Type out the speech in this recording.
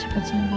cepat sembuh ya